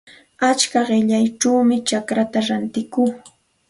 Achka qillayćhawmi chacraata rantikuu.